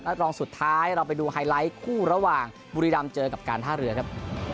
รองสุดท้ายเราไปดูไฮไลท์คู่ระหว่างบุรีรำเจอกับการท่าเรือครับ